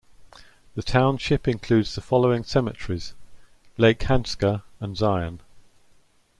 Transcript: The township includes the following cemeteries: Lake Hanska and Zion.